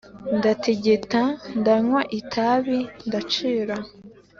ndatigita, ndanywa itabi ndacira: